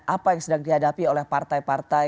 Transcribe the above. apa yang sedang dihadapi oleh partai partai